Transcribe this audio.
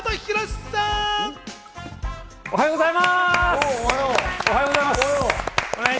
おはようございます！